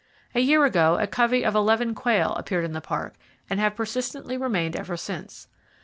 A year ago, a covey of eleven quail appeared in the Park, and have persistently remained ever since.